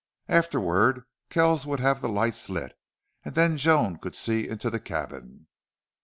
Afterward Kells would have the lights lit, and then Joan could see into the cabin.